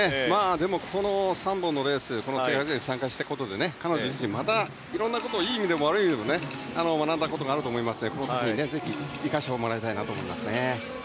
でも、ここの３本のレース国際大会に参加していくことで彼女自身また色んなことをいい意味でも悪い意味でも学んだことがあると思うのでこの先、ぜひ生かしてもらいたいなと思いますね。